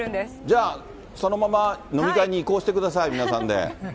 じゃあ、そのまま飲み会に移行してください、皆さんで。